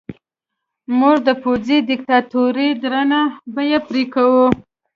موږ د پوځي دیکتاتورۍ درنه بیه پرې کوو.